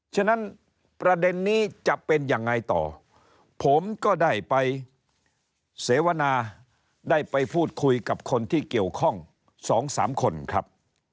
ฉะนั้นประเด็นนี้จะเป็นยังไงต่อผมก็ได้ไปเสวนาได้ไปพูดคุยกับคนที่เกี่ยวข้อง๒๓คนครับ